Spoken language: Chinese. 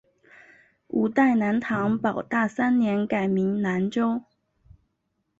五代南唐保大三年改名南州。